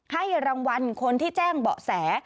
ให้รางวัลคนที่แจ้งเบาะแส